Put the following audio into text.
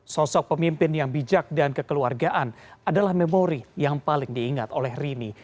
sosok pemimpin yang bijak dan kekeluargaan adalah memori yang paling diingat oleh rini